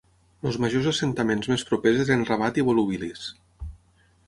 Els majors assentaments més propers eren Rabat i Volubilis.